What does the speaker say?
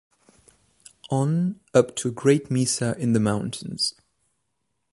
On up to a great mesa in the mountains.